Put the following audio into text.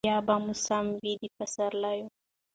بیا به موسم وي د پسرلیو